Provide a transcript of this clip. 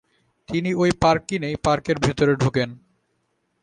তিনি ওই পার্ক কিনেই পার্কের ভেতরে ঢোকেন।